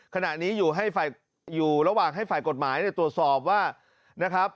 ขณะนี้อยู่ระหว่างให้ฝ่ายกฎหมายตรวจสอบว่า